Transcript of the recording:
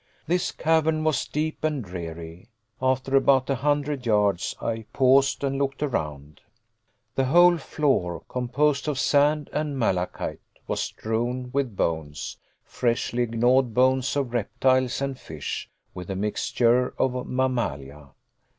This cavern was deep and dreary. After about a hundred yards, I paused and looked around. The whole floor, composed of sand and malachite, was strewn with bones, freshly gnawed bones of reptiles and fish, with a mixture of mammalia.